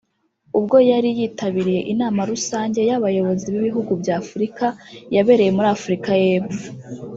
ubwo yari yitabiriye inama rusange y’abayobozi b’ibihugu bya Afurika yabereye muri Afurika y’Epfo